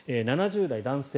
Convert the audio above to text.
７０代男性